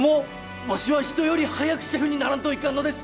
わしは人より早くシェフにならんといかんのです